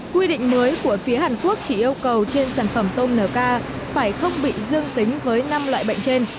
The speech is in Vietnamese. quy định mới của phía hàn quốc chỉ yêu cầu trên sản phẩm tôm nk phải không bị dương tính với năm loại bệnh trên